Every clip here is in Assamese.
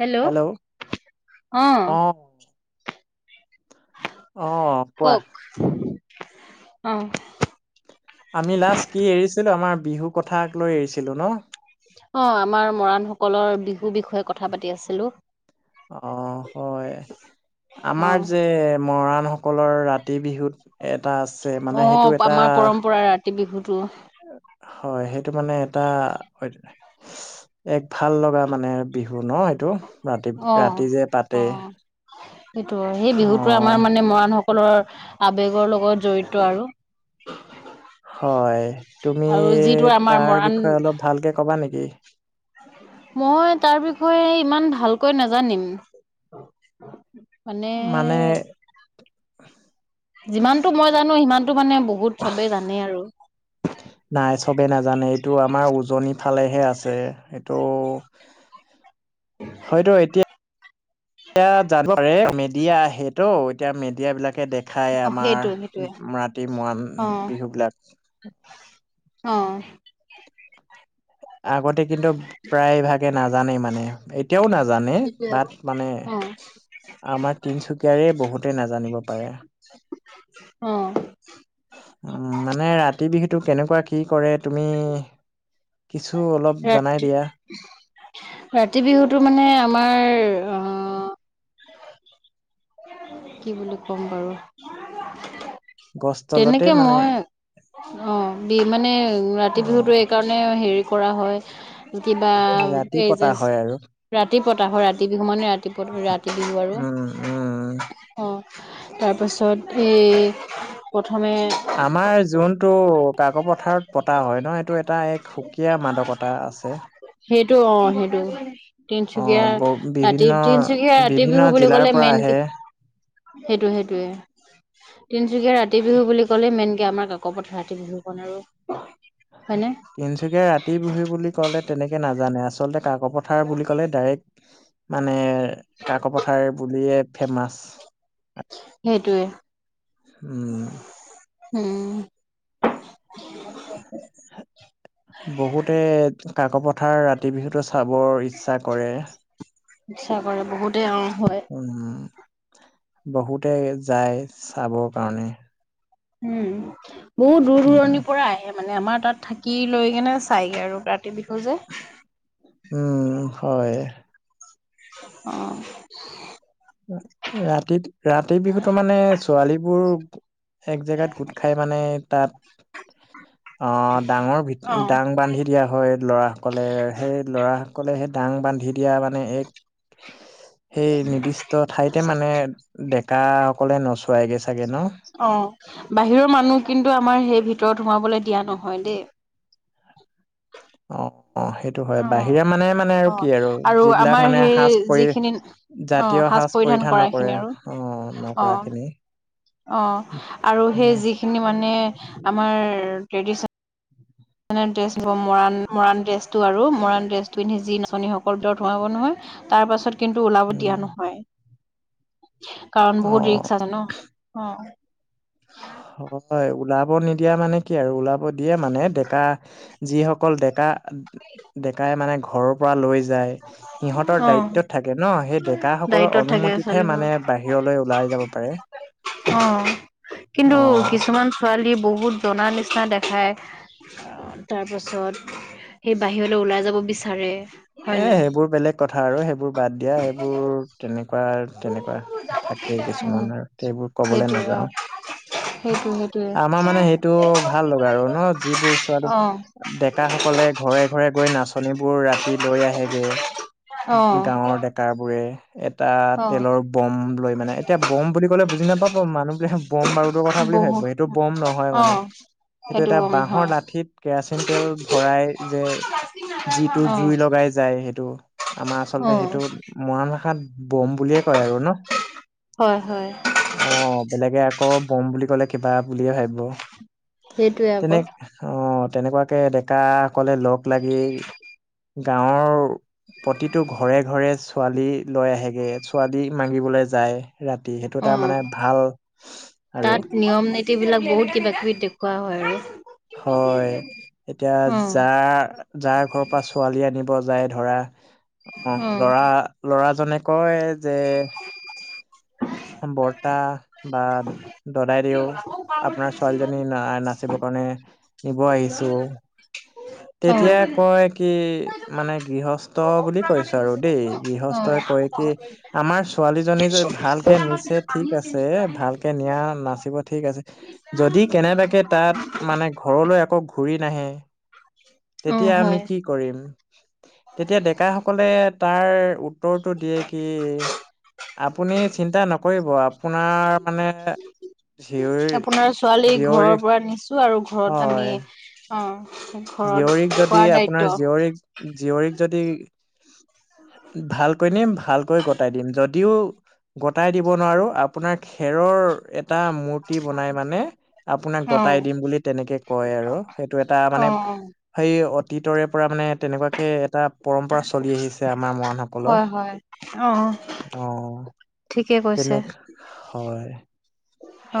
হেল্ল', অ'। অ', কোৱা। অ'। আমি লাষ্ট কি এৰিছিলোঁ, আমাৰ বিহু কথাক লৈ এৰিছিলোঁ ন'? অ', আমাৰ মৰাণসকলৰ বিহু বিষয়ে কথা পাতি আছিলোঁ। অ', হয়, অ আমাৰ যে মৰাণ সকলৰ ৰাতি বিহুত এটা আছে, মানে সেইটো এটা কাতি বিহুটো। হয়, সেইটো মানে এটা এক ভাল লগা মানে বিহু ন', এইটো ৰাতি, অ ৰাতি যে পাতে। অ সেইটো হয়, সেই অ বিহুতো আমাৰ মানে মৰাণ সকলৰ আবেগৰ লগত জৰিত আৰু। [inaudible] হয়, তুমি আৰু যিটো আমাৰ তাৰ মৰাণ বিষয়ে অলপ ভাকে ক'বা নেকি? মই তাৰ বিষয়ে ইমান ভালকৈ নাজানিম। মানে মানে যিমানতটো মই জানো, সিমানতটো মানে বহুত চবেই জানেই আৰু। নাই চবে নাজানে, এইটো আমাৰ উজনিৰ ফালেহে আছে, এইটো হয়তো এতিয়া এতিয়া জানিব পাৰে, মেডিয়া আহেতো, এতিয়া মিডিয়া বিলাক কে দেখাই অ সেইটোৱে সেইটোৱে আমাৰ ৰাতি মৰাণ অ বিহু বিলাক। অ'। আগতে কিন্তু প্ৰায় ভাগে নাজানে মানে এতিয়াও নাজানে, সেইটোৱে বাট মানে আকৌ আমাৰ তিনচুকীয়াৰে বহুতেই নাজানিব পাৰে। অ'। মানে ৰাতি বিহুটো কেনেকুৱা কি কৰে তুমি কিছু অলপ জনাই ৰাতি, দিয়া ৰাতি বিহুতো মানে আমাৰ অ', কি বুলি ক'ম বাৰু। গছ তলতে তেনেকে মানে মই, অ', বি, মানে ৰাতি অ বিহুতটো এইকাৰণে মানে হেৰি কৰা হয়, কিবা ৰাতি এই পতা যে হয় আৰু ৰাতি পতা হয়, ৰাতি বিহু মানে ৰাতিপুৱত, ৰাতি বিহু আৰু। উম উম অ', তাৰপাছত এই প্ৰথমে আমাৰ জোনটো কাক পথাৰত পতা হয় ন', এইটো এটা এক সুকীয়া মাদকতা আছে। সেইটো অ', সেইটো। অ তিনচুকীয়া ব ৰাতি, বিভিন্ন তিনচুকীয়া ৰাতি বিভিন্ন বিহু বুলি জিলাৰ কলে পৰা মেইন আহে কি সেইটো, সেইটোয়ে। তিনচুকীয়া ৰাতি বিহু বুলি কলে মেইন কে আমাৰ কাক পথাৰ ৰাতি বিহুখন আৰু। হয় নে? তিনচুকীয়া ৰাতি বিহু বুলি ক'লে তেনেকে নাজানে, আচলতে কাকো পথাৰ বুলি ক'লে ডাইৰেক্ট মানে কাকো পথাৰ বুলিয়ে ফেমাচ। সেইটোৱে। উম। উম। [unintelligible] বহুতে কাকো পথাৰ ৰাতি বিহুটো চাবৰ ইচ্ছা কৰে। ইচ্ছা কৰে বহুতেই অহ হয়। উম, বহুতে যায় চাবৰ কাৰণে। উম, বহুত দূৰ উম দূৰণিৰ পৰা আহে মানে আমাৰ তাত থাকি লৈ কেনে চাইগে আৰু ৰাতি বিহু যে। উম হয়। অহ। ৰাতিত ৰাতি বিহুতো মানে ছোৱালীবোৰ এক জেগাত গোট খাই মানে তাত আহ ডাঙৰ ভি অ দাং বান্ধি দিয়া হয় ল'ৰাসকলে সেই ল'ৰাসকলে সেই দাং বান্ধি দিয়া মানে এক [unintelligible] সেই নিৰ্দিষ্ট ঠাইতে মানে ডেকাসকলে নচোৱাইগে চাগে ন? অহ, বাহিৰৰ মানুহ কিন্তু আমাৰ সেই ভিতৰত সোমাবলৈ দিয়া নহয় দেই। অ অ সেইটো হয় অহ বাহিৰা মানে মানে আৰু কি অহ, আৰু যিবিলাক আমাৰ মানে সাজ সেই পৰি যিখিনি জাতীয় অহ সাজ পৰিধান নকৰে কৰাখিনি আৰু অ নকৰা অহ। খিনি অহ আৰু সেই উম যিখিনি মানে আমাৰ ট্ৰেদি এনে ড্ৰেছ মৰাণ মৰাণ ড্ৰেছটো আৰু মৰাণ ড্ৰেছটো পিন্ধি যি নাচনী সকল ভিতৰত সোমাব নহয় তাৰ পাছত কিন্তু ওলাব উম দিয়া নহয়, কাৰণ বহুত অ ৰিক্সছ আছে ন' অহ। অহ। হয় ওলাব নিদিয়া মানে কি আৰু ওলাব দিয়ে মানে ডেকা যিসকল ডেকা ডেকাই মানে ঘৰৰ পৰা লৈ যায় সিহঁতৰ অ দায়িত্বত থাকে ন' সেই ডেকা সকলৰ দায়িত্বত থাকে অনুমতিতহে ছোৱালীবোৰ মানে বাহিৰলৈ ওলাই যাব পাৰে। অহ, কিন্তু অ', কিছুমান ছোৱালী বহুত জনা নিচিনা দেখায়। তাৰ পাছত সেই বাহিৰলৈ ওলাই যাব বিচাৰে। হয় এ নাই সেইবোৰ বেলেগ কথা আৰু সেইবোৰ বাদ দিয়া সেইবোৰ তেনেকুৱা তেনেকুৱা থাকেই উম কিছুমান আৰু সেইবোৰ কবলৈ সেইটোৱে অ নাযাও। সেইটো সেইটোৱে আমাৰ মানে সেইটো ভাল লগা আৰু ন' যিবোৰ চোৱা অ ডেকা সকলে ঘৰে ঘৰে গৈ নাচনীবোৰ ৰাতি লৈ আহেগে। অ'। তাৰবোৰে এটা অ তেলৰ বম লৈ মানে এতিয়া বম বুলি ক'লে বুজি নাপাব মানুহবিলাকে বম বাৰুতো ভাবিব সেইটো বহুত বম নহয় অ মানে। সেইটো এটা গম বাঁহৰ নহয় লাঠিত কেৰাচিন তেল ভৰাই যে যিটো অ জুই লগাই যায় সেইটো আমাৰ অ আচলতে সেইটো মৰাণ ভাষাত বম বুলিয়ে কয় আৰু ন? হয় হয় অহ বেলেগে আকৌ বম বুলি কলে কিবা বুলিয়ে ভাবিব, সেইটোৱে আকৌ তেনে অ' তেনেকুৱাকে ডেকা সকলে লগ লাগি গাঁৱৰ প্ৰতিটো ঘৰে ঘৰে ছোৱালী লৈ আহেগে ছোৱালী মাগিবলৈ যায়। ৰাতি সেইটো অ এটা মানে ভাল আৰু। টেই বিলাক বহুত কিবা কিবি দেখুওৱা হয় আৰু। হয় এতিয়া অ যা যাৰ ঘৰৰ পৰা ছোৱালী আনিব যায় ধৰা অ' লৰা ল'ৰাজনে কয় যে বৰ্তা বা দদাইদেউ আপোনাৰ ছোৱালীজনী না নাচিবৰ কাৰণে নিব আহিছো অ তেতিয়া কয় কি মানে গৃহস্থ বুলি কৈ ছো আৰু দেই অ গৃহস্থই কয় কি আমাৰ ছোৱালীজনী যদি ভাল কে নিছে ঠিক আছে ভালকে নিয়া নাচিব ঠিক আছে যদি কেনেবাকে তাত মানে ঘৰলৈ আকৌ ঘূৰি নাহে অ তেতিয়া আমি হয় কি কৰিম তেতিয়া ডেকাসকলে তাৰ উত্তৰটো দিয়ে কি আপুনি চিন্তা নকৰিব আ পোনাৰ মানে জীয়ৰীৰ আপোনাৰ ছোৱালী ঘৰৰ জীয়ৰী হয় অঁ জীয়ৰীক যদি আপোনাৰ জীয়ৰীক জীয়ৰীক যদি ভালকৈ নিম ভালকৈ গটাই দিম যদিও গটাই দিব নোৱাৰো আপোনাৰ খেৰৰ এ টা মূৰ্তি বনাই মানে আপোনাক অ গতাই দিম বুলি তেনেকে কয় আৰু এইটো এটা অ অ মানে সেই অতীতৰে পৰা মানে তেনেকুৱাকে এটা পৰম্পৰা চলি আহিছে আমাৰ হয় মৰাণসকলৰ হয় অ অ। ঠিকে কৈছে তেনেকা হয়।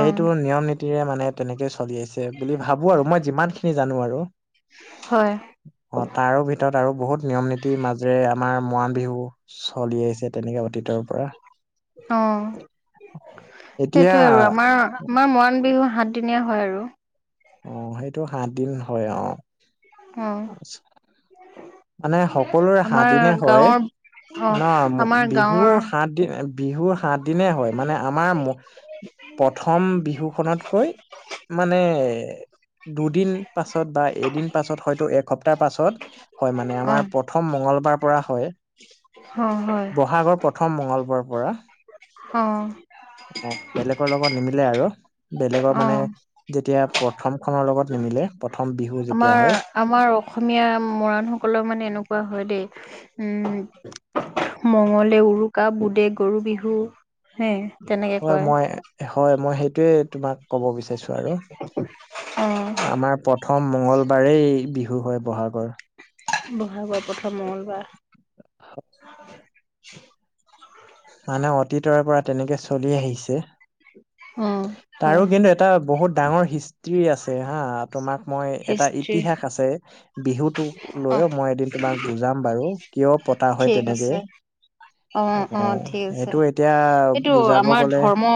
অ নিয়ম নীতিৰে মানে তেনেকে চলি আহিছে বুলি ভাবো আৰু মই যিমান খিনি জানো আৰু। হয় অ তাৰো ভিতৰত আৰু বহুত নিয়ম নীতিৰ মাজেৰে আমাৰ মৰাণ বিহু চলি আহিছে তেনেকে অতীতৰ পৰা অঁ সেইটোয়ে এতিয়া আৰু আমাৰ আমাৰ মৰাণ বিহু সাত দিনীয়া হয় আৰু। অ সেইটো সাত দিন হয় অঁহ অ মানে সকলোৰে সাত আমাৰ দিনে হয় গাঁৱৰ অ ন আমাৰ বিহুৰ গাঁৱৰ সাত বিহুৰ সাত দিনে হয় মানে আমাৰ প্ৰথম বিহু খনতকৈ মানে দুদিন পাছত বা এদিন পাছত হয়তো এসপ্তাহৰ পাছত হয় মানে অ আমাৰ প্ৰ থম মঙ্গলবাৰ পৰা হয় অ হয় বহাগৰ প্ৰথম মঙ্গলবাৰৰ পৰা। অঁ অ বেলেগৰ লগত নিমিলে আৰু বেলেগৰ অ মানে যেতিয়া প্ৰথমখনৰ লগত নিমিলে প্ৰথম বিহু যেতিয়া আমাৰ হয়। আমাৰ অসমীয়া মৰাণসকলৰ মানে এনেকুৱা হয় দেই উম মঙ্গলে উৰুকা বুধে গৰু বিহু হে তেনেকে হয় কয় মই হয় মই সেইটোয়ে তোমাক ক'ব বিচা ৰিছো আৰু অ আমাৰ প্ৰথম মঙ্গলবাৰেই বিহু হয় ব'হাগৰ। ব'হাগৰ প্ৰথম মঙলবাৰ। মানে অতীতৰে পৰা তেনেকে চলি আহিছে অ হয় তাৰো কিন্তু এ টা বহুত ডাঙৰ হিষ্ট্ৰি আছে হা তোমাক মই এটা হিষ্ট্ৰী ইতিহাস আছে। বিহুতোক অ লৈ মই এদিন তোমাক বুজাম বাৰু কিয় পতা হয় ঠিক তেনেকে। আছে অ' অ' ঠিক আছে সেইটো এতিয়া এইটো বুজাব আমাৰ গলে ধৰ্ম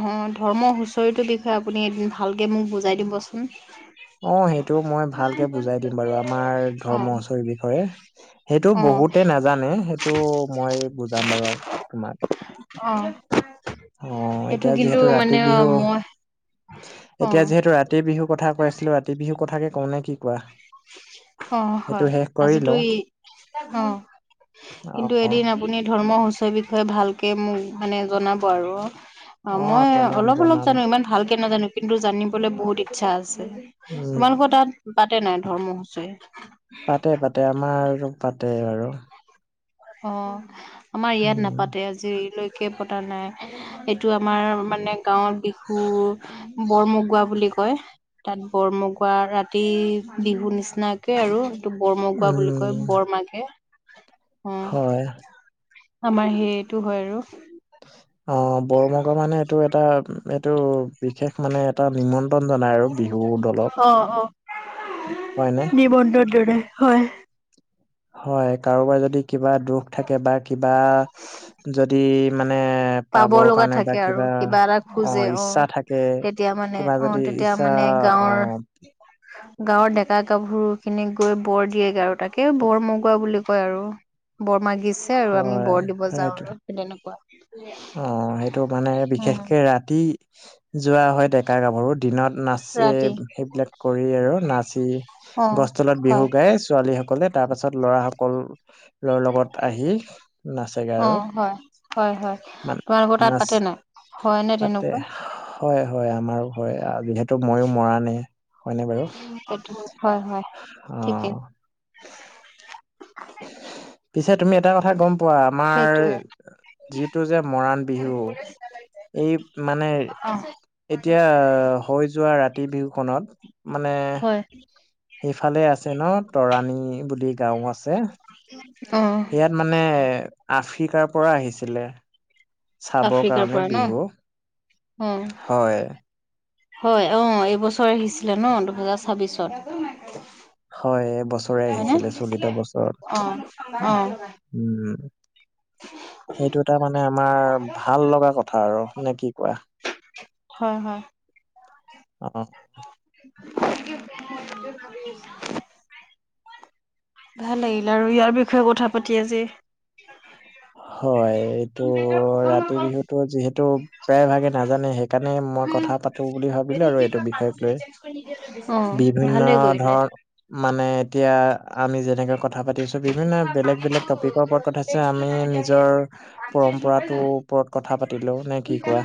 হম' ধৰ্ম হুঁচৰিটোৰ বিষয়ে আপুনি এদিন ভালকে মোক বুজাই দিবচোন। অ' সেইটো মই ভালকে বুজাই দিম বাৰু আমাৰ অ ধৰ্ম হুচৰি বিষয়ে। সেইটো অ বহুতে নাজানে, সেইটো মই বুজাম বাৰু তোমাক। অ'। এইটো এতিয়া কিন্তু যিহেতু মানে ৰাতি বিহু, মই অ এতিয়া যিহেতু ৰা ৰাতি বিহু কথা কৈ আছিলো, ৰাতি বিহু কথাকে কওঁনে কি কোৱা? অ' সেইটো হয় শেষ কৰি আজিতো লওঁ ই, অ' কিন্তু অ', এদিন আপুনি ধৰ্ম হুচৰি বিষয়ে ভালকে মোক মানে জনাব আৰু। অ' মই জনাম অলপ অলপ জনাম জানো, ইমান ভালকে নাজানো কিন্তু জানিবলৈ বহুত ইচ্ছা আছে, উম। তোমালোকৰ তাত পাতে নাই? ধৰ্ম হুচৰি। পাতে পাতে আমাৰো পাতে আৰু। অ' আমাৰ ইয়াত উম, নাপাতে, আজিলৈকে পতা নাই। এইটো আমাৰ মানে গাঁৱত বিহু, বৰ মগুৱা বুলি কয়। তাত বৰমগুৱা ৰাতি বিহু নিচিনাকে আৰু। এইটো বৰমোগোৱা বুলি কয়, উম। বৰমাকে হয়। আমাৰ সেইটো হয় আৰু। অ' বৰমগা মানে এইটো এ এটা এইটো বিশেষ মানে এটা নিমন্ত্ৰণ জনাই আৰু। বিহু দলক অ' হয়নে? অ' নিমন্ত্ৰণ জনাই হয়। হয়' কাৰোবাৰ যদি কিবা দুখ থাকে বা কিবা যদি মানে পাব পাবৰ লগা কাৰণে বা থাকে আৰু, কিবা এটা খোজে অ', ইচ্ছা থাকে তেতিয়া মানে কিবা অ' যদি তেতিয়া ইচ্ছা মানে অ', গাঁৱৰ গাঁও ডেকা গাভৰুখিনি গৈ বৰ দিয়েগে আৰু তাকে বৰ মগোৱা বুলি কয় আৰু। বৰ মাগিছে আৰু আমি হয় বৰ দিব যাওঁ সেইটো আৰু সে তেনেকুৱা। অ' সেইটো কাৰণে উম, বিশেষকে ৰাতি যোৱা হয়। ডেকা গাভৰু দিনত নাচে, ৰাতি সেইবিলাক কৰি আৰু নাচি অ, গছ তলত বিহু হয় গাই, ছোৱালী সকলে। তাৰ পাছত লৰা সকলৰ লগত আহি, নাচ অ' হয়, হয়, হয় তোমালোকৰ তাত নাচ পাতে নাই, হয় নে তাতে তেনেকুৱা? হয় হয় আমাৰো হয়, যিহে ময়ো মৰাণ হে, হয়নে বাৰু, সেইটো হয় হয় ঠিকেই অ'। পিছে তুমি এটা কথা গম পোৱা, আমাৰ সেইটোৱে যিটো যে মৰাণ বিহু। এই মানে অ, এতিয়া হৈ যোৱা ৰাতি বিহু খনত মানে হয়'। সেইফালে আছে ন' তৰাণী বুলি গাঁও আছে। অ'। ইয়াত মানে আফ্ৰিকাৰ পৰা আহিছিলে। চাবৰ আফ্ৰিকাৰ কাৰণে পৰা ন', বিহু অ'। হয়'। হয় অ', এইবছৰ আহিছিলে ন' দুহেজাৰ ছাব্বিছত। হয়' এই বছৰে আহিছিলে চলিত বছৰ, অ অ। উম'। [unintelligible] সেইটো এটা মানে আমাৰ ভাল লগা কথা আৰু নে কি কোৱা? হয় হয়। অ। [unintelligible] ভাল লাগিল আৰু ইয়াৰ বিষয়ে কথা পাতি আজি হয় এইটো ৰাতি বিহুটো যিহেতু প্ৰায় ভাগে নাজানে সেই কাৰণে মই কথা পাতো বুলি ভাবিলো আৰু এইটো বিষয়ক লৈ অ' বিভিন্ন ভালে কৰিলে। ধৰণ মানে এতিয়া আমি যেনেকৈ কথা পাতিছো বিভিন্ন বেলেগ বেলেগ টপিকৰ ওপৰত কথা আছে আ আমি নিজৰ পৰম্পৰাটোৰ ওপৰত কথা পাতিলো নে কি কোৱা?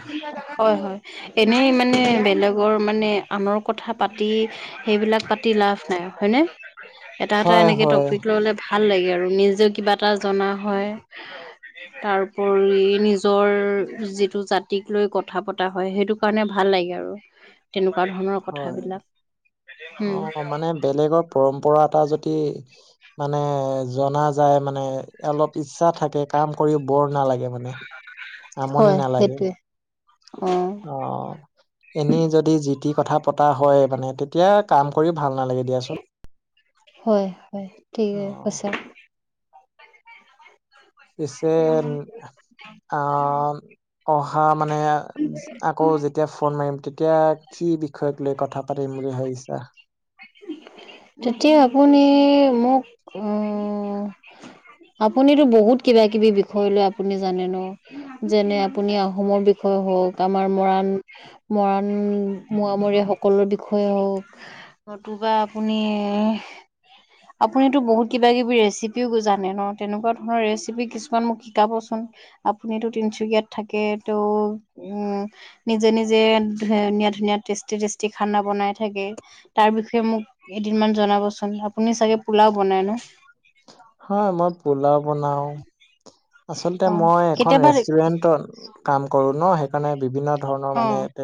হয় হয়। এনেই মানে বেলেগৰ মানে আনৰ কথা পাতি সেইবিলাক পাতি লাভ নাই হয়নে? এটা এটা হয় এনেকে হয়। টপিক ললে ভাল লাগে আৰু নিজেও কিবা এটা জনা হয়। তাৰোপৰি নিজৰ যিটো জাতিক লৈ কথা পতা হয় সেইটো কাৰণে ভাল লাগে আৰু। [inaudible] তেনেকুৱা ধ হয়। অ মানে বেলেগৰ পৰম্পৰা এটা যদি মানে জনা যায় মানে অলপ ইচ্ছা থাকে কাম কৰি ব'ৰ নালাগে মানে, আমনি হয় নালাগে। সেইটোৱে অ। অ এনেই যদি জিটি কথা পতা হয় মানে তে এতিয়া কাম কৰি ভাল নালাগে দিয়াচোন। হয় হয় অ ঠিকে আছে। পিছে অ অহা মানে আকৌ যেতিয়া ফোন মাৰিম তেতিয়া কি বিষয়ক লৈ কথা পাতিম বুলি ভাবিছা? তেতিয়া আপুনি মোক উম আপুনিতো বহুত কিবা কিবি বিষয় লৈ আপুনি জানে ন। যেনে আপুনি আহোমৰ বিষয়ে হওক আমাৰ মৰাণ মৰাণ মোৱামৰিয়া হক সকলৰ বিষয়েও, নতুবা আপুনি আপুনিতো বহুত কিবা কিবি ৰেচিপিও জানে ন তেনেকুৱা ধৰণৰ ৰেচিপি কিছুমান মোক শিকাবচোন। আপুনিতো তিনিচুকীয়াত থাকে তো উম নিজে নিজে ধুনীয়া ধুনীয়া টেষ্টি টেষ্টি খানা বনাই থাকে। তাৰ বিষয়ে মোক এদিনমান জনাবচোন আপুনি চাগে পোলাও বনায় ন? হয় মই পোলাও বনাও আচলতে অ মই এখন কেতিয়াবা ৰেষ্টুৰেন্টত কাম কৰো ন সেইকাৰণে বিভিন্ন ধৰণৰ মানে অ তেনে